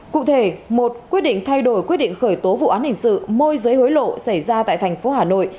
cụ thể một quyết định thay đổi quyết định khởi tố vụ án hình sự môi giới hối lộ xảy ra tại thành phố hà nội